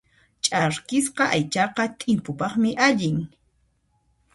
Ch'arkisqa aychaqa t'impupaqmi allin.